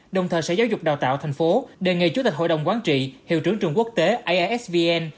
đồng thời sở giáo dục đào tạo tp hcm đề nghị chủ tịch hội đồng quán trị hiệu trưởng trường quốc tế aisvn